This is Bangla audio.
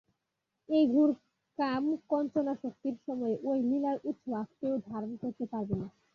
এই ঘোর কাম-কাঞ্চনাসক্তির সময় ঐ লীলার উচ্চ ভাব কেউ ধারণা করতে পারবে না।